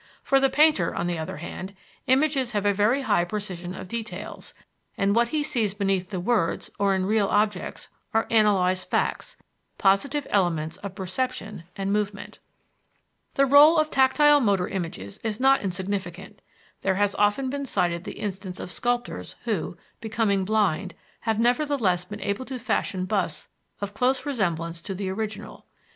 For the painter, on the other hand, images have a very high precision of details, and what he sees beneath the words or in real objects are analyzed facts, positive elements of perception and movement." The rôle of tactile motor images is not insignificant. There has often been cited the instance of sculptors who, becoming blind, have nevertheless been able to fashion busts of close resemblance to the original.